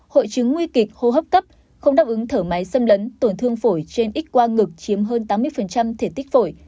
hội chứng nguy kịch hô hấp cấp không đáp ứng thở máy xâm lấn tổn thương phổi trên x qua ngực chiếm hơn tám mươi thể tích phổi